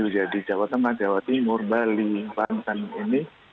tujuh jadi jawa tengah jawa timur bali banten ini